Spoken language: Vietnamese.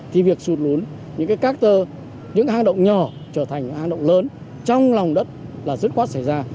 thì việc sụt lún những cái cát tơ những cái hang động nhỏ trở thành hang động lớn trong lòng đất là rất khoát xảy ra